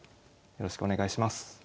よろしくお願いします。